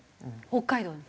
北海道に？